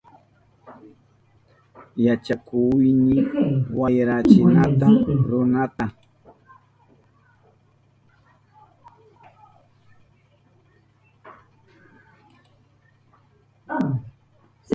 Yachakuhuni wayrachinata ruranata.